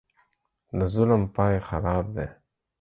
د ظلم پاى خراب دى.